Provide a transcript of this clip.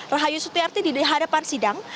rahayu setiarti di hadapan sidang